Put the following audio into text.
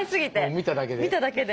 見ただけで。